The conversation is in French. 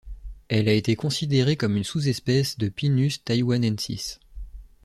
Elle a été considérée comme une sous-espèce de Pinus taiwanensis.